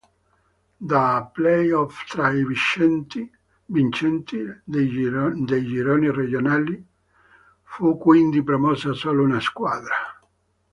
Dai play-off tra i vincenti dei gironi regionali fu quindi promossa solo una squadra.